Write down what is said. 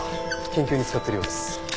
研究に使ってるようです。